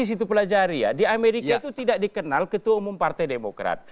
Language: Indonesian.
di situ pelajari ya di amerika itu tidak dikenal ketua umum partai demokrat